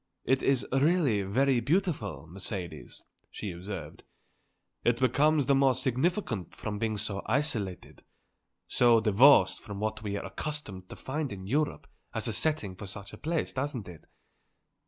"It is really very beautiful, Mercedes," she observed. "It becomes the more significant from being so isolated, so divorced from what we are accustomed to find in Europe as a setting for such a place, doesn't it?